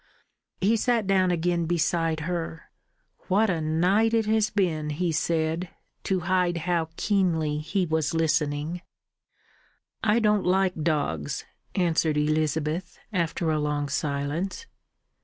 He sat down again beside her. "What a night it has been!" he said, to hide how keenly he was listening. "I don't like dogs," answered Elizabeth, after a long silence.